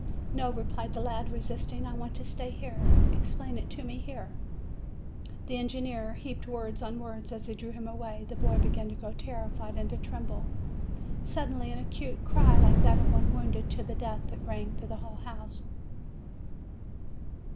"No," replied the lad resisting; "I want to stay here. Explain it to me here." The engineer heaped words on words, as he drew him away; the boy began to grow terrified and to tremble. Suddenly an acute cry, like that of one wounded to the death, rang through the whole house.